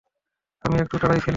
আমি একটু তাড়ায় ছিলাম।